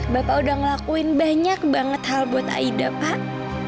bapak sudah melakukan banyak banget hal buat aida pak